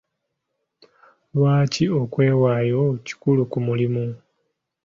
Lwaki okwewaayo kikulu ku mulimu?